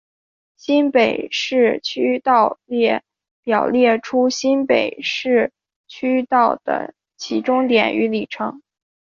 新北市区道列表列出新北市区道的起终点与里程。